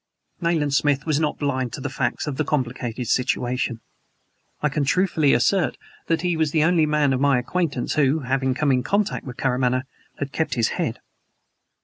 Nayland Smith was not blind to the facts of the complicated situation. I can truthfully assert that he was the only man of my acquaintance who, having come in contact with Karamaneh, had kept his head.